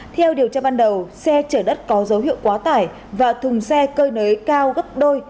theo điều tra ban đầu xe chở đất có dấu hiệu quá tải và thùng xe cơi nới cao gấp đôi